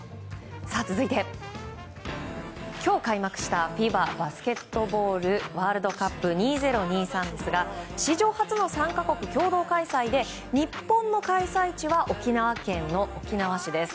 続いて、今日開幕したＦＩＢＡバスケットボールワールドカップ２０２３ですが史上初の３か国共同開催で日本の開催地は沖縄県の沖縄市です。